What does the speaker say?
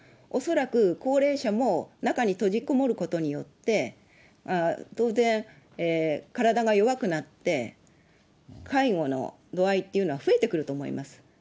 恐らく高齢者も、中に閉じこもることによって、当然、体が弱くなって、介護の度合いっていうのは増えてくると思います。